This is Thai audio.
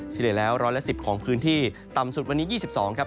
เฉลี่ยแล้ว๑๑๐ของพื้นที่ต่ำสุดวันนี้๒๒ครับ